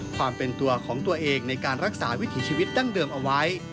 ความเป็นตัวของตัวเองในการรักษาวิถีชีวิตดั้งเดิมเอาไว้